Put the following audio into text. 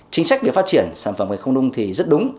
chính sách việc phát triển sản phẩm về không đung thì rất đúng